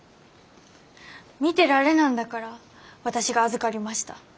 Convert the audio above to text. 見てられなんだから私が預かりました。